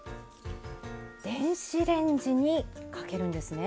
電子レンジにかけるんですね。